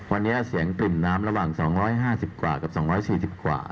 วันนี้เสียงปริ่มน้ำระหว่าง๒๕๐กว่ากับ๒๔๐กว่า